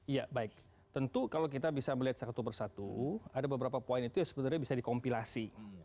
ya baik tentu kalau kita bisa melihat satu persatu ada beberapa poin itu yang sebenarnya bisa dikompilasi